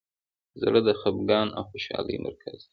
زړه د خفګان او خوشحالۍ مرکزي ځای دی.